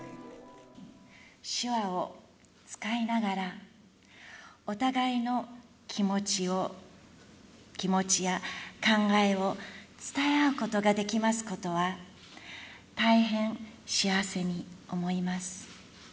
手話を使いながらお互いの気持ちを、気持ちや考えを伝え合うことができますことは、大変幸せに思います。